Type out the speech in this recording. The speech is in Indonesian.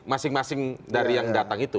masing masing dari yang datang itu